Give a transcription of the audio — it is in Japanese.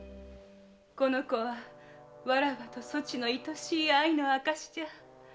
この子はわらわとそちの愛しい愛の証しじゃ。